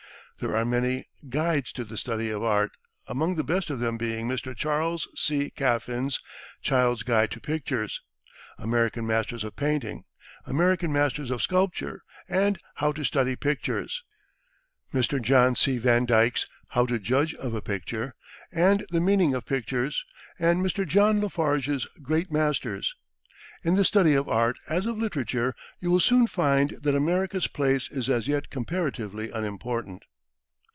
There are many, guides to the study of art, among the best of them being Mr. Charles C. Caffin's "Child's Guide to Pictures," "American Masters of Painting," "American Masters of Sculpture," and "How to Study Pictures"; Mr. John C. VanDyke's "How to Judge of a Picture," and "The Meaning of Pictures," and Mr. John LaFarge's "Great Masters." In the study of art, as of literature, you will soon find that America's place is as yet comparatively unimportant.